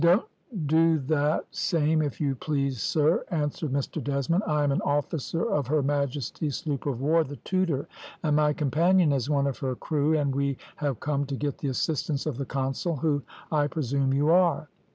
"`Don't do that same, if you please, sir,' answered Mr Desmond. `I am an officer of her Majesty's sloop of war, the Tudor, and my companion is one of her crew, and we have come to get the assistance of the consul, who, I presume, you are.'